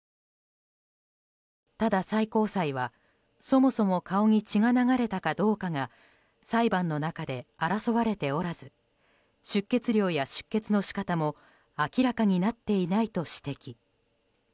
ただ、最高裁はそもそも顔に血が流れたかどうかが裁判の中で争われておらず出血量や出血の仕方も明らかになっていないと指摘。